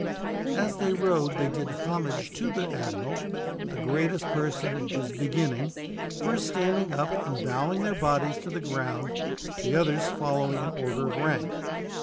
As they rowed they did homage to the admiral, the greatest personages beginning, first standing up and bowing their bodies to the ground, the others following in order of rank.